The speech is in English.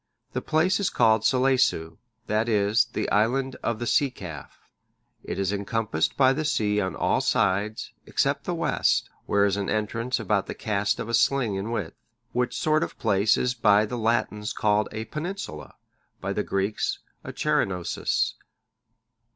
The place is called Selaeseu,(624) that is, the Island of the Sea Calf; it is encompassed by the sea on all sides, except the west, where is an entrance about the cast of a sling in width; which sort of place is by the Latins called a peninsula, by the Greeks, a cherronesos.